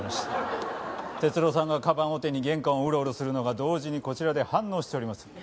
哲郎さんがカバンを手に玄関をウロウロするのが同時にこちらで反応しております。